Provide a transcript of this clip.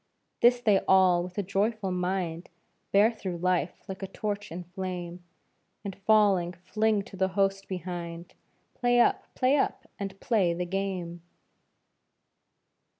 This they all with a joyful mind Bear through life like a torch in flame, And falling, fling to the host behind "Play up! Play up! And play the game!"